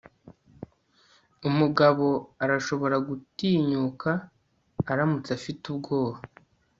umugabo arashobora gutinyuka aramutse afite ubwoba